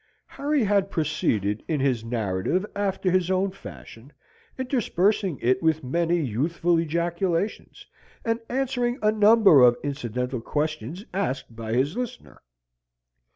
Harry had proceeded in his narrative after his own fashion, interspersing it with many youthful ejaculations, and answering a number of incidental questions asked by his listener.